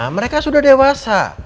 mereka sudah dewasa